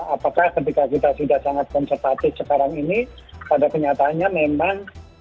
apakah ketika kita sudah sangat konservatif sekarang ini pada kenyataannya memang